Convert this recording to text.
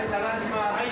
・はい。